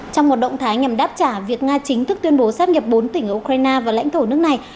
trong một động thái nhằm đáp trả việc nga chính thức tuyên bố sáp nhập bốn tỉnh ở ukraine và lãnh thổ nước này